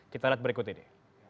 kita lihat berikut ini